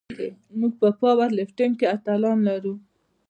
موږ په پاور لفټینګ کې اتلان لرو.